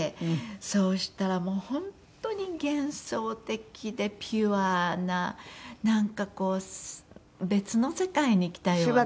そうしたらもう本当に幻想的でピュアななんかこう別の世界に来たような。